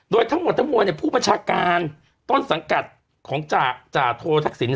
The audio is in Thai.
โดยทั้งหมดทั้งมวลเนี่ยผู้บัญชาการต้นสังกัดของจ่าโททักษิณ